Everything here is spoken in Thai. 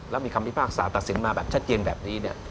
แล้วมีคำพิพาคศาสตร์ตักสินมาแบบชัดเจนแบบนี้